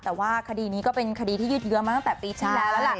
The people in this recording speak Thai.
แต่ว่าคดีนี้ก็เป็นคดีที่ยืดเยอะมาตั้งแต่ปีที่แล้วแล้วล่ะ